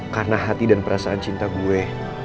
karena hati dan perasaan cinta gue